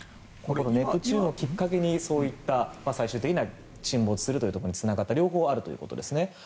ネプチューンをきっかけに最終的に沈没することにつながった両方あるということですね。